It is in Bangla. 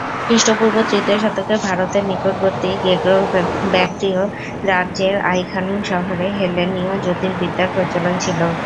খ্রীষ্টপূর্ব তৃতীয় শতকে ভারতের নিকটবর্তী গ্রেকো-ব্যাক্ট্রিয় রাজ্যের আই-খানুম শহরে হেলেনীয় জ্যোতির্বিদ্যার প্রচলন ছিল।